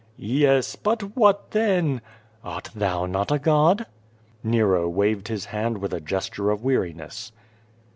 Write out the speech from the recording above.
"Yes, but what then?" 240 Q^^ VADTS. "Art thou not a god?'' Nero waved his hand with a gesture of weariness.